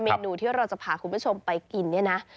เมนูที่เราจะพาคุณผู้ชมไปกินเนี่ยนะ